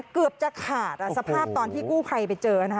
เกือบจะขาดสภาพตอนที่กู้ภัยไปเจอนะคะ